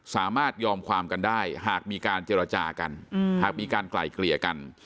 สามารถยอมความกันได้หากมีการเจรจากันหากมีการไกลเกลี่ยกัน